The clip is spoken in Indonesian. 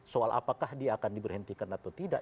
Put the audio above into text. soal apakah dia akan diberhentikan atau tidak